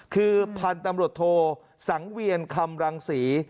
คือพันธุ์ตำรวจโทสังเวียนคำรังศรี